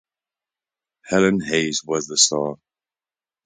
Helen Hayes was the star.